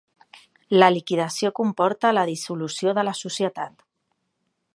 La liquidació comporta la dissolució de la societat.